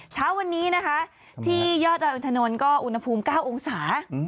เช้าวันนี้นะคะที่ยอดดอยอินทนนท์ก็อุณหภูมิ๙องศา